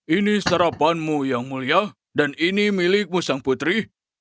ini sarapanmu yang mulia dan ini milikmu sang putri